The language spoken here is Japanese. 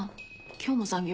今日も残業？